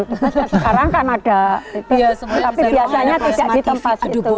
sekarang kan ada tapi biasanya tidak di tempat